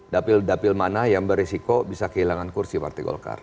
dapil dapil mana yang beresiko bisa kehilangan kursi partai golkar